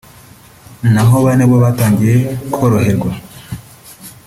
naho bane bo batangiye koroherwa